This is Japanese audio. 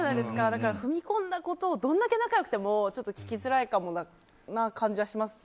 だから、踏み込んだことをどれだけ仲が良くても聞きづらいかもな感じはします。